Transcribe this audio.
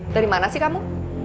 dari mana sih kamu